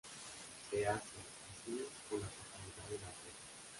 Se hace, así, con la totalidad de la empresa.